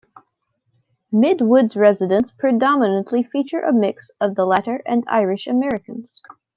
Midwood's residents predominately feature a mix of the latter and Irish Americans.